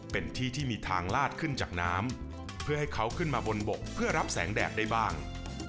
เป็นที่ที่มีทางลาดขึ้นจากน้ำเพื่อให้เขาขึ้นมาบนบกเพื่อรับแสงแดดได้บ้าง